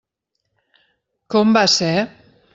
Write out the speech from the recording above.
Com va ser?